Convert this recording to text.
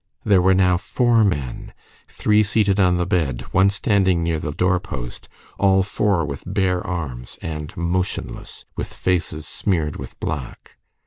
There were now four men, three seated on the bed, one standing near the door post, all four with bare arms and motionless, with faces smeared with black.